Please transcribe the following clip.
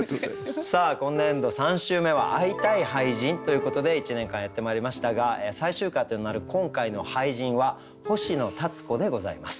さあ今年度３週目は「会いたい俳人」ということで１年間やってまいりましたが最終回となる今回の俳人は星野立子でございます。